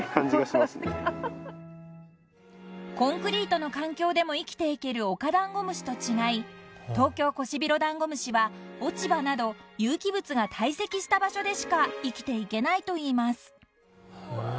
［コンクリートの環境でも生きていけるオカダンゴムシと違いトウキョウコシビロダンゴムシは落ち葉など有機物が堆積した場所でしか生きていけないといいます］